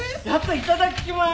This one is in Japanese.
いただきまーす！